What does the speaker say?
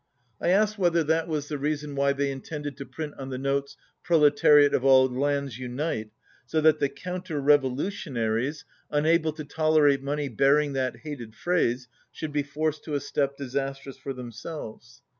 I asked whether that was the reason why they intended to print on the notes "Proletariat of all lands, unite," so that the counter revolutionaries, unable to tolerate money bearing that hated phrase, should be forced to a step disastrous for themselves.